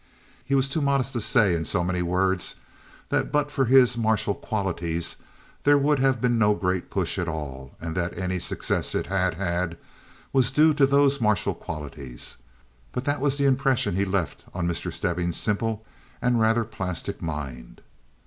He was too modest to say in so many words that but for his martial qualities there would have been no Great Push at all, and that any success it had had was due to those martial qualities, but that was the impression he left on Mr. Stebbing's simple and rather plastic mind.